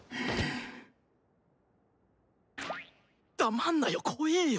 黙んなよ怖えよ。